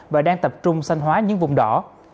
và đang tập trung xanh hóa những vùng đỏ